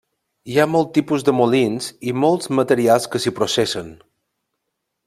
Hi ha molts tipus de molins i molts materials que s'hi processen.